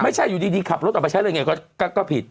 ไม่ใช่อยู่ดีขับรถออกไปใช้อะไรอย่างนี้ก็ผิด